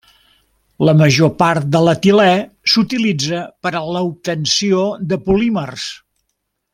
La major part de l'etilè s'utilitza per a l'obtenció de polímers.